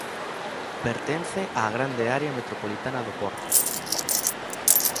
Pertence á Grande Área Metropolitana do Porto.